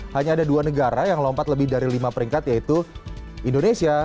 hanya ada dua negara yang lompat lebih dari lima peringkat yaitu indonesia